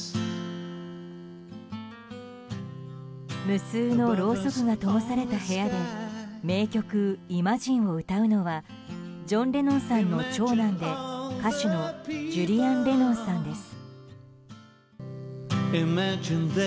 無数のろうそくがともされた部屋で名曲「イマジン」を歌うのはジョン・レノンさんの長男で歌手のジュリアン・レノンさんです。